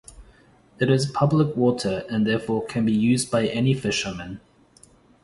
It is public water and therefore can be used by any fisherman.